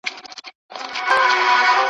چې حبیبي ورباندې ژور کار وکړ.